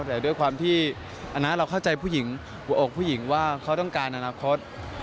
แต่ด้วยความที่อันนั้นเราเข้าใจผู้หญิงหัวอกผู้หญิงว่าเขาต้องการอนาคต